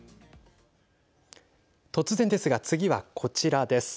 突然ですが、次はこちらです。